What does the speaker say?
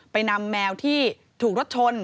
นำแมวที่ถูกรถชน